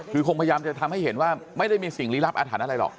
คือคงพยายามจะทำให้เห็นว่าไม่ได้มีสิ่งลี้ลับอาถรรพ์อะไรหรอก